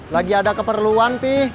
lagi ada keperluan pih